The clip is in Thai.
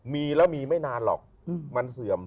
มีแล้วมีไม่นานหรอกมันเสื่อม